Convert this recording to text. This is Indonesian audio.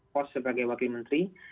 pos sebagai wakil menteri